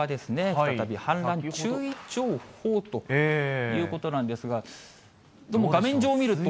再び氾濫注意情報ということなんですが、画面上見ると。